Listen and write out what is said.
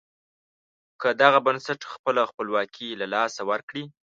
که دغه بنسټ خپله خپلواکي له لاسه ورکړي.